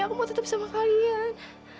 aku mau tetap sama kalian